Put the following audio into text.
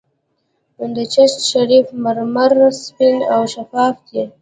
د چشت شریف مرمر سپین او شفاف دي.